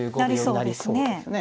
なりそうですね。